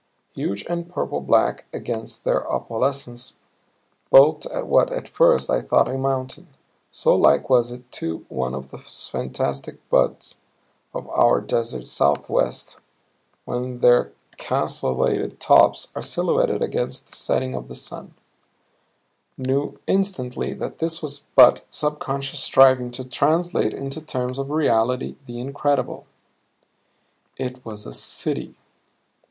Huge and purple black against their opalescence bulked what at first I thought a mountain, so like was it to one of those fantastic buttes of our desert Southwest when their castellated tops are silhouetted against the setting sun; knew instantly that this was but subconscious striving to translate into terms of reality the incredible. It was a City!